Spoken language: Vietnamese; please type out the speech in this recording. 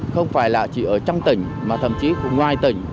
không phải là chỉ ở trong tỉnh mà thậm chí ngoài tỉnh